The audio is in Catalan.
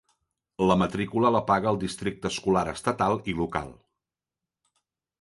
La matrícula la paga el districte escolar estatal i local.